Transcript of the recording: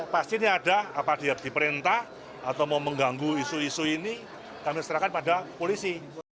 pastinya ada apabila diperintah atau mau mengganggu isu isu ini kami serahkan pada polisi